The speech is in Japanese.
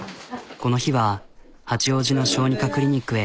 この日は八王子の小児科クリニックへ。